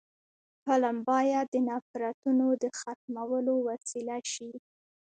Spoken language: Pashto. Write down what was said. فلم باید د نفرتونو د ختمولو وسیله شي